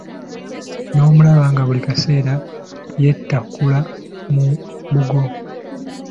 N'omulaba nga buli kaseera yeetakula mu mbugo.